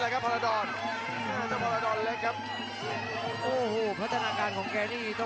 ก็โดดพีมเลยครับโอ้โห